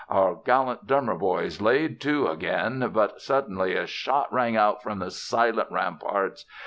Our gallant drummer boys laid to again, but suddenly a shot rang out from the silent ramparts.